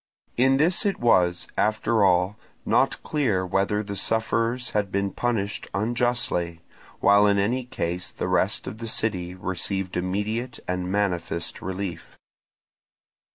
In this it was, after all, not clear whether the sufferers had been punished unjustly, while in any case the rest of the city received immediate and manifest relief.